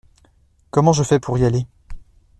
Comment je fais pour y aller ?